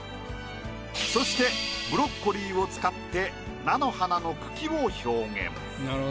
そしてブロッコリーを使って菜の花の茎を表現。